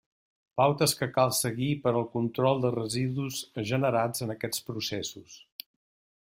Pautes que cal seguir per al control dels residus generats en aquests processos.